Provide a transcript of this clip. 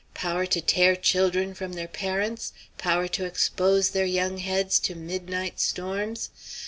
Power to tear children from their parents? Power to expose their young heads to midnight storms?